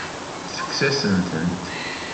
Tekkes-asent-tent.